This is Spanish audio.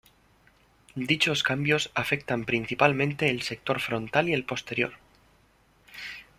Dichos cambios afectan principalmente el sector frontal y el posterior.